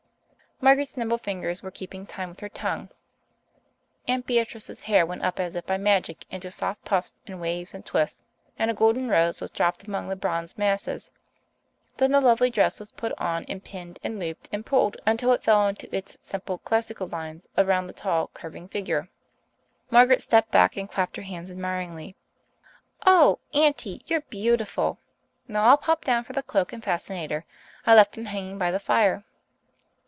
Margaret's nimble fingers were keeping time with her tongue. Aunt Beatrice's hair went up as if by magic into soft puffs and waves and twists, and a golden rose was dropped among the bronze masses. Then the lovely dress was put on and pinned and looped and pulled until it fell into its simple, classical lines around the tall, curving figure. Margaret stepped back and clapped her hands admiringly. "Oh, Auntie, you're beautiful! Now I'll pop down for the cloak and fascinator. I left them hanging by the fire."